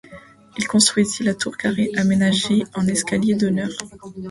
Il construisit la tour carrée aménagée en escalier d'honneur.